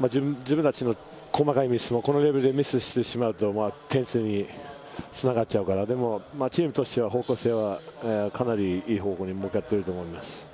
自分達の細かいミス、このレベルでミスをしてしまうと点数に繋がっちゃうから、でもチームとしての方向性はかなりいい方向に向かっていると思います。